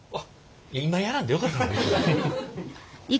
今やらんでよかったのに。